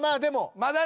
まだね。